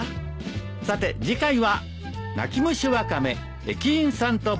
さて次回は。